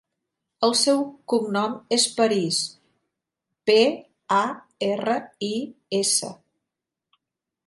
El seu cognom és Paris: pe, a, erra, i, essa.